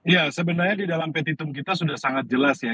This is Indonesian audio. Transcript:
ya sebenarnya di dalam petitum kita sudah sangat jelas ya